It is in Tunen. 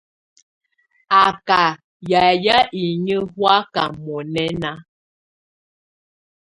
Á kà yayɛ̀á inyǝ́ hɔ̀áka mɔ̀nɛna.